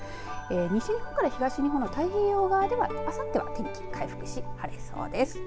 西日本から東日本の太平洋側ではあさっては天気回復し晴れそうです。